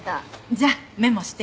じゃメモして。